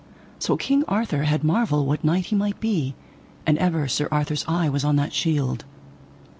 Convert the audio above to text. So King Arthur had marvel what knight he might be. And ever Sir Arthur's eye was on that shield.